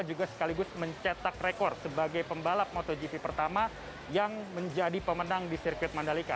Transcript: juga sekaligus mencetak rekor sebagai pembalap motogp pertama yang menjadi pemenang di sirkuit mandalika